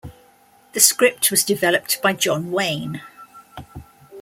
The script was developed by John Wayne.